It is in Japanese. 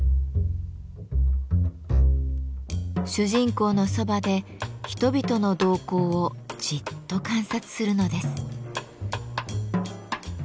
主人公のそばで人々の動向をじっと観察するのです。